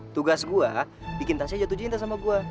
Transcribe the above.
tugas gue bikin tasnya jatuh cinta sama gue